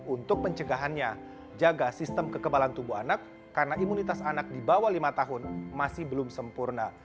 untuk pencegahannya jaga sistem kekebalan tubuh anak karena imunitas anak di bawah lima tahun masih belum sempurna